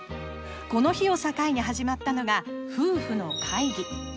この日を境に始まったのが夫婦の会議。